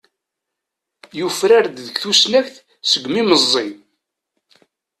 Yufrar-d deg tusnakt segmi meẓẓi.